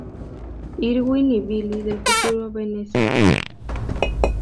Irwin y Billy del futuro ven eso.